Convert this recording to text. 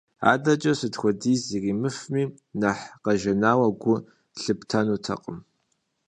АдэкӀэ сыт хуэдиз иримыфми, нэхъ къэжанауэ гу лъыптэнутэкъым.